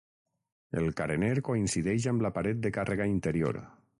El carener coincideix amb la paret de càrrega interior.